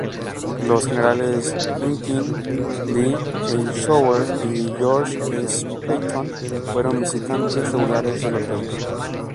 Los generales Dwight D. Eisenhower y George S. Patton fueron visitantes regulares del hotel.